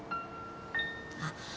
あっ。